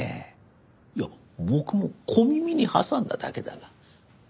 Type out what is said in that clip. いや僕も小耳に挟んだだけだが。